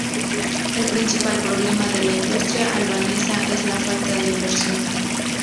El principal problema de la industria albanesa es la falta de inversión.